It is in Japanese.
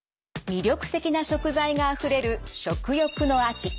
魅力的な食材があふれる食欲の秋。